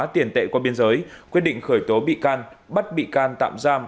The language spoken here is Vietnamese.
tiền tệ qua biên giới quyết định khởi tố bị can bắt bị can tạm giam